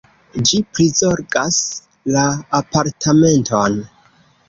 Ĝi prizorgas la apartamenton.